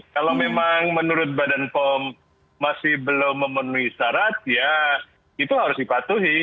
kalau memang menurut badan pom masih belum memenuhi syarat ya itu harus dipatuhi